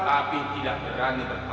dari sini deh